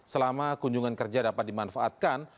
selama kunjungan kerja dapat dimanfaatkan